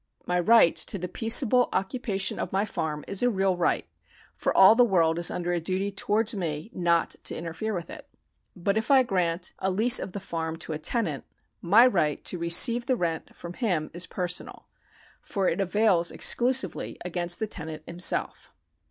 My right to the peaceable occupation of my farm is a real right, for all the world is under a duty towards me not to interfere with it. But if I grant a lease of the farm to a tenant, my right to receive the rent from him is personal ; for it avails exclusively against the tenant himself.